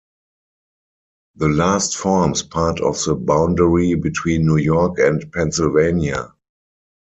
The last forms part of the boundary between New York and Pennsylvania.